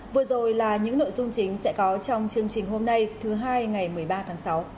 vừa rồi là những nội dung chính sẽ có trong chương trình hôm nay thứ hai ngày một mươi ba tháng sáu